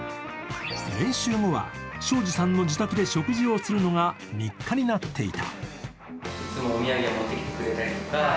練習後は小路さんの自宅で食事をするのが日課になっていた。